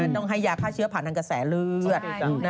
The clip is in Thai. ต้องให้ยาฆ่าเชื้อผ่านทางกระแสเลือด